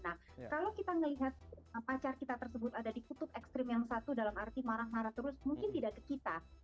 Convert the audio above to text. nah kalau kita melihat pacar kita tersebut ada di kutub ekstrim yang satu dalam arti marah marah terus mungkin tidak ke kita